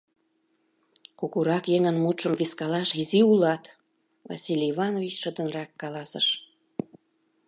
— Кугурак еҥын мутшым вискалаш изи улат, — Василий Иванович шыдынрак каласыш.